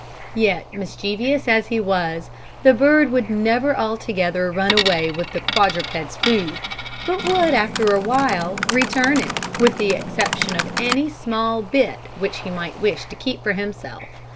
Yet, mischievous as he was, the bird would never altogether run away with the quadruped's food, but would after a while return it, with the exception of any small bit which he might wish to keep for himself.